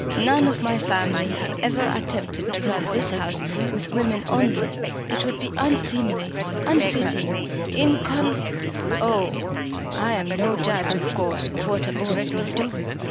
"None of my family have ever attempted to run this house with women only. It would be unseemly unfitting incon " "Oh, I am no judge of course of what a Boyce may do!"